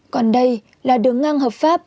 còn đây là đường ngang hợp pháp